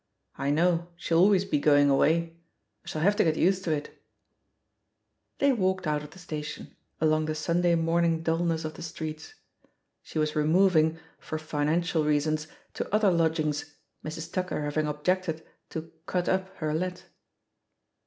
I know, she'll always be going away — I shall have to get used to if They walked out of the station, along the Sun day morning dullness of the streets. She was removing, for financial reasons, to other lodg ings, Mrs. Tucker having objected to "cut up her let."